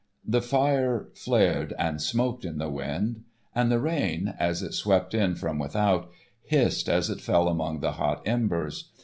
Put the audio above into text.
The fire flared and smoked in the wind, and the rain, as it swept in from without, hissed as it fell among the hot embers.